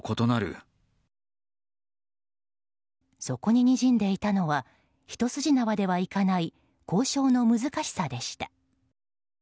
そこに、にじんでいたのは一筋縄ではいかない交渉の難しさでした。